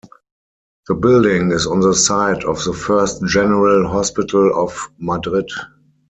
The building is on the site of the first General Hospital of Madrid.